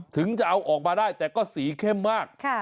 ถึงจะเอาออกมาได้แต่ก็สีเข้มมาก